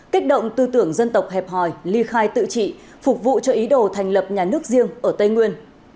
kích động tư tưởng dân tộc hẹp hòi ly khai tự trị phục vụ cho ý đồ thành lập nhà nước riêng ở tây nguyên